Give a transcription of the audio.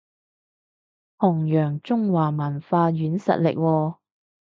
弘揚中華文化軟實力喎